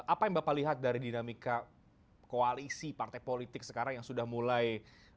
apa yang bapak lihat dari dinamika koalisi partai politik sekarang yang sudah mulai